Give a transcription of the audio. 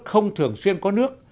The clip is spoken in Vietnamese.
không thường xuyên có nước